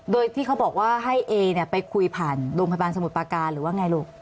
โดยที่เขาบอกว่าให้เอเนี่ยไปคุยผ่านโรงพยาบาลสมุทรปาการหรือว่าไงลูก